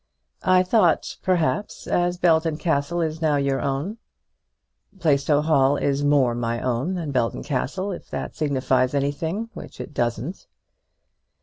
"I thought, perhaps, as Belton Castle is now your own " "Plaistow Hall is more my own than Belton Castle, if that signifies anything, which it doesn't."